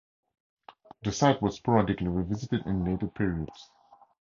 The site was sporadically revisited in later periods.